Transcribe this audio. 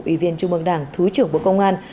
ủy viên trung mương đảng thứ trưởng bộ công an